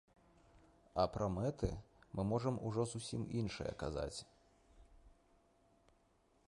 А пра мэты мы можам ужо зусім іншае казаць.